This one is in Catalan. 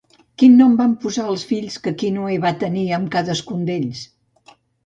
Quin nom van posar als fills que Quíone va tenir amb cadascun d'ells?